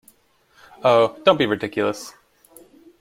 Oh, don't be ridiculous!